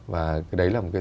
và đấy là một cái